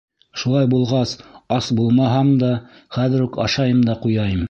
Шулай булғас, ас булмаһам да, хәҙер үк ашайым да ҡуяйым.